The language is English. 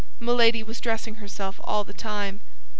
_" Milady was dressing herself all the time.